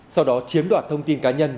sau đó chiếm đoạt thông tin cá nhân